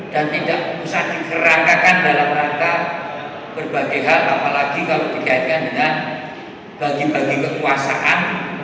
dan tidak usah digerakakan dalam rangka berbagai hal apalagi kalau digerakkan dengan bagi bagi kekuasaan